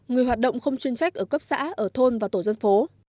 người hoạt động không chuyên trách ở cấp xã ở thôn và tổ dân phố